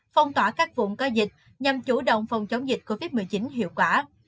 phong tỏa các vùng có dịch nhằm chủ động phòng chống dịch covid một mươi chín hiệu quả